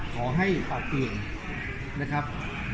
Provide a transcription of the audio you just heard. ขอให้ปรับเปลี่ยนนะครับ